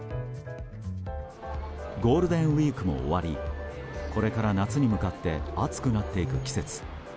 ゴールデンウィークも終わりこれから夏に向かって暑くなっていく季節。